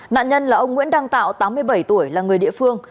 nạn nhân là ông nguyễn đăng tạo tám mươi bảy tuổi là người địa phương